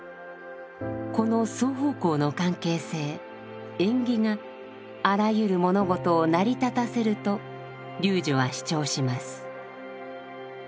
この双方向の関係性縁起があらゆる物事を成り立たせると龍樹は主張します。